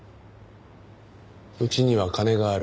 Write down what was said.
「うちには金がある。